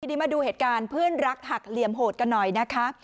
ทีนี้มาดูเหตุการณ์เพื่อนรักหักเหลี่ยมโหดกันหน่อยนะคะ